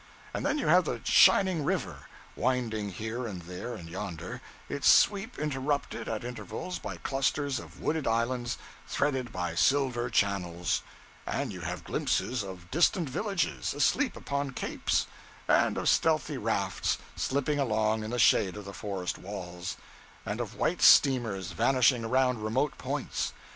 And then you have the shining river, winding here and there and yonder, its sweep interrupted at intervals by clusters of wooded islands threaded by silver channels; and you have glimpses of distant villages, asleep upon capes; and of stealthy rafts slipping along in the shade of the forest walls; and of white steamers vanishing around remote points.